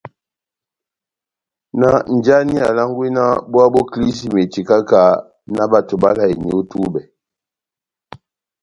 náh njáni alángwí náh búwá bó kilísímeti káha-káha, náh bato báláyeni ó túbɛ?